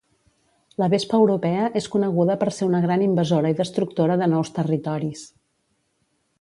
La vespa europea és coneguda per ser una gran invasora i destructora de nous territoris.